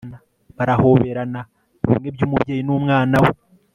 barahoberana bimwe byumubyeyi numwana we